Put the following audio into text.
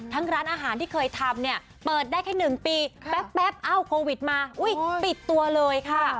ร้านอาหารที่เคยทำเนี่ยเปิดได้แค่๑ปีแป๊บเอ้าโควิดมาปิดตัวเลยค่ะ